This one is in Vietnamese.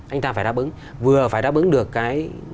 anh ta phải đáp ứng vừa phải đáp ứng được cái